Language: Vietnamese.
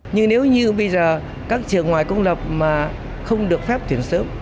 nhưng nếu như bây giờ các trường ngoài công lập mà không được phép tuyển sớm